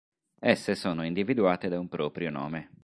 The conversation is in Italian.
Esse sono individuate da un proprio nome.